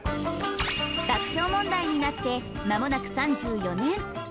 爆笑問題になってまもなく３４年。